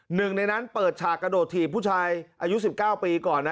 หนึ่งในนั้นเปิดฉากกระโดดถีบผู้ชายอายุ๑๙ปีก่อนนะ